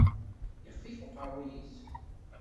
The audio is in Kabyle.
Yexfif uqerruy-is.